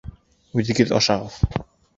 — Үҙегеҙ ашағыҙ!